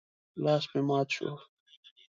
لاس مې مات شو.